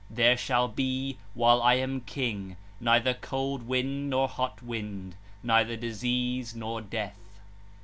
There shall be, while I am king, neither cold wind nor hot wind, neither disease nor death.'